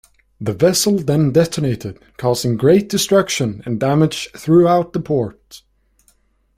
The vessel then detonated, causing great destruction and damage throughout the port.